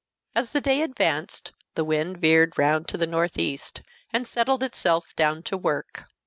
As the day advanced, the wind veered round to the northeast, and settled itself down to work.